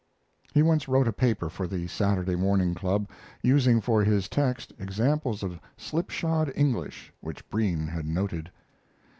He once wrote a paper for the Saturday Morning Club, using for his text examples of slipshod English which Breen had noted.